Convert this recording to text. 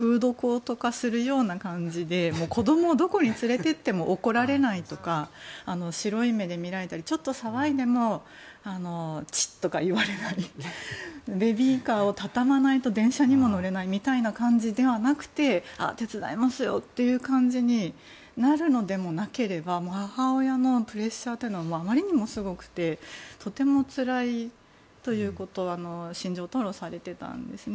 彼女のインタビューを読むとつい最近も荻上チキさんが聞き手で社会全体がフードコート化するような感じで子供をどこに連れていっても怒られないとか白い目で見られたりちょっと騒いでもチッとか言われないベビーカーをたたまないと電車にも乗れないみたいな形ではなくて手伝いますよっていう感じになるのでもなければ母親のプレッシャーというのはあまりにもすごくてとてもつらいということは心情を吐露されていたんですね。